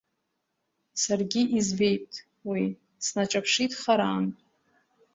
Саргьы избеит уи, снаҿаԥшит харантә…